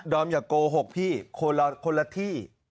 อย่าโกหกพี่คนละที่